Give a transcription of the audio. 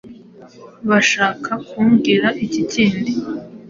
Bashaka kumbwira iki kandi?